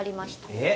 えっ！